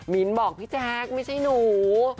มิ้นท์บอกพี่แจ๊กไม่ใช่หนู